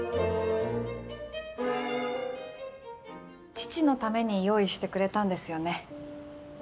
父のために用意してくれたんですよね。